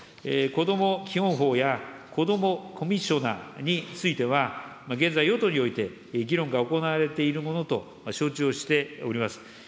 子ども基本法や子どもコミッショナーについては、現在、与党において議論が行われているものと承知をしております。